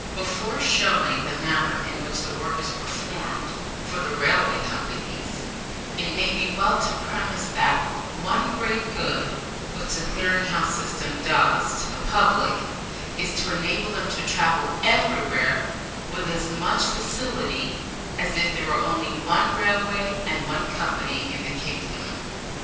Before showing the manner in which the work is performed for the railway companies, it may be well to premise that one great good which the Clearing House system does to the public, is to enable them to travel everywhere with as much facility as if there were only one railway and one company in the kingdom.